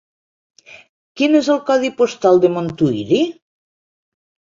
Quin és el codi postal de Montuïri?